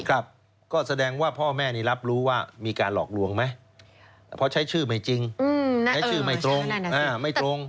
ครับก็แสดงว่าพ่อแม่นี่รับรู้ว่ามีการหลอกลวงไหมเพราะใช้ชื่อไม่จริงใช้ชื่อไม่ตรงไม่ตรง